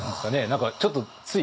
何かちょっとつい。